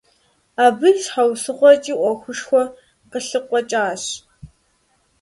Абы и щхьэусыгъуэкӀи Ӏуэхушхуэ къылъыкъуэкӀащ.